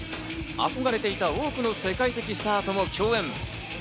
憧れていた多くの世界的スターとも共演。